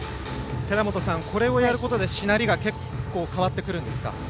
寺本さんこれをやることでしなりが結構変わりますか。